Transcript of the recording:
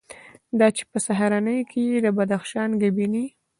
دا چې په سهارنۍ کې یې د بدخشان ګبیني،